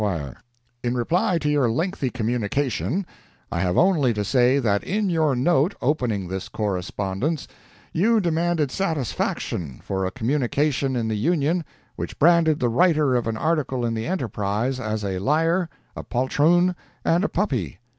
—In reply to your lengthy communication, I have only to say that in your note opening this correspondence, you demanded satisfaction for a communication in the Union which branded the writer of an article in the ENTERPRISE as a liar, a poltroon and a puppy.